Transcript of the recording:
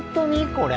これ。